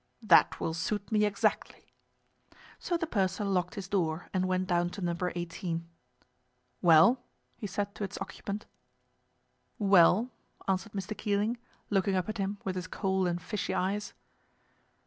"That will suit me exactly." So the purser locked his door and went down to No. 18. "Well?" he said to its occupant. "Well," answered Mr. Keeling, looking up at him with his cold and fishy eyes.